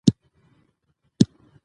غواړم خپل پښتو ژبې ته خدمت وکړم